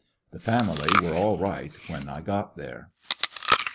The family were all right when I got there.